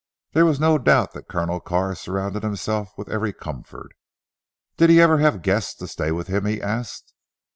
There was no doubt that Colonel Carr surrounded himself with every comfort. "Did he ever have guests to stay with him?" he asked.